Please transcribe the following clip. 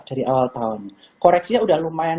dari awal tahun koreksinya udah lumayan